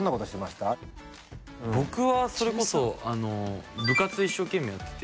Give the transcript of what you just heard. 僕はそれこそ部活一生懸命やって。